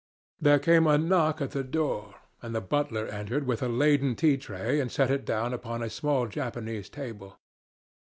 There came a knock at the door, and the butler entered with a laden tea tray and set it down upon a small Japanese table.